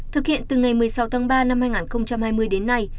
thực hiện từ ngày một mươi sáu tháng ba năm hai nghìn hai mươi đến nay